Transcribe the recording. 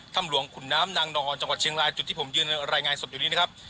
ถ้ำหลวงขุนน้ำนางนอนจังหวัดเชียงรายจุดที่ผมยืนรายงานสดอยู่นี้นะครับ